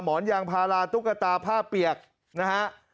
หมอนยางพาราตุ๊กตาผ้าเปียกนะฮะ